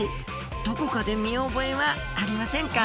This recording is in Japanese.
どこかで見覚えはありませんか？